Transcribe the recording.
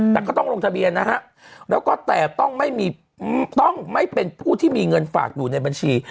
แต่ก็ต้องลงทะเบียนนะฮะแล้วก็แต่ต้องไม่เป็นผู้ที่มีเงินฝากอยู่ในบัญชี